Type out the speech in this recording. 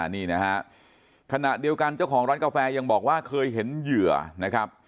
นี่นะฮะขณะเดียวกันเจ้าของร้านกาแฟยังบอกว่าเคยเห็นเหยื่อนะครับ